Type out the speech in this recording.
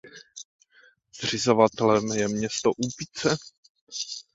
Zřizovatelem je město Úpice.